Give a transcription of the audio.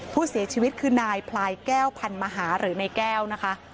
ผู้เสียชีวิตคือนายพลายแก้วพันมหาหรือนายแก้วนะคะ